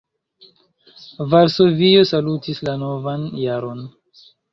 Varsovio salutis la novan jaron.